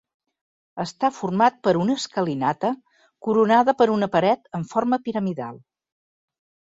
Està format per una escalinata coronada per una paret en forma piramidal.